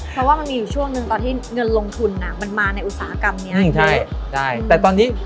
เพราะว่ามันมีอยู่ช่วงหนึ่งตอนที่เงินลงทุนมันมาในอุตสาหกรรมนี้